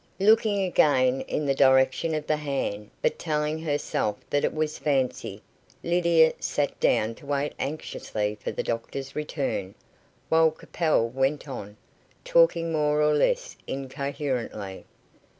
Looking again in the direction of the hand, but telling herself that it was fancy, Lydia sat down to wait anxiously for the doctor's return, while Capel went on, talking more or less incoherently.